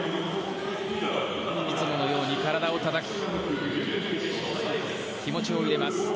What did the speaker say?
いつものように体をたたき気持ちを入れます。